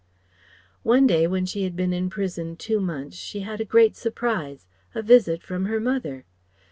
One day when she had been in prison two months she had a great surprise a visit from her mother.